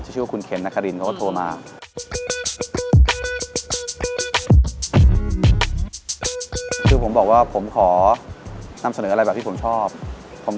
ที่ชื่อว่าคุณเข็นนาคาริน